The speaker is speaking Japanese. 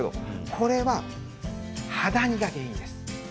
これはハダニが原因です。